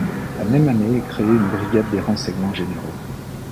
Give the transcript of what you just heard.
La même année est créée une brigade des Renseignements Généraux.